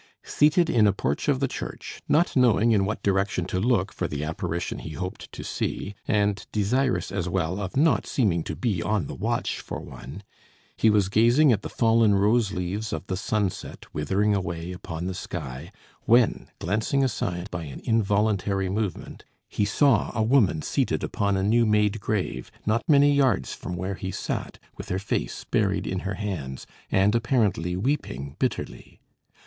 Seated in a porch of the church, not knowing in what direction to look for the apparition he hoped to see, and desirous as well of not seeming to be on the watch for one, he was gazing at the fallen rose leaves of the sunset, withering away upon the sky; when, glancing aside by an involuntary movement, he saw a woman seated upon a new made grave, not many yards from where he sat, with her face buried in her hands, and apparently weeping bitterly.